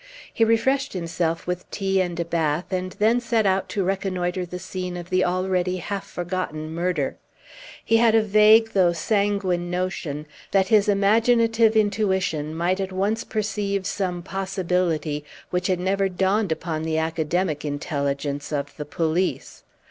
He refreshed himself with tea and a bath, and then set out to reconnoitre the scene of the already half forgotten murder. He had a vague though sanguine notion that his imaginative intuition might at once perceive some possibility which had never dawned upon the academic intelligence of the police.